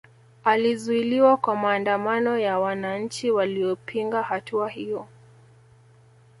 Alizuiliwa kwa maandamano ya wananchi walioipinga hatua hiyo